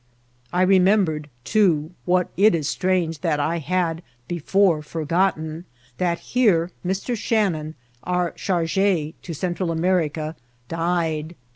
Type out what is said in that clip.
I remembered, too, what it is strange that I had before forgotten, that here Mr. Shan non, our chargfe to Central America, died.